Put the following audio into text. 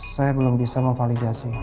saya belum bisa memvalidasi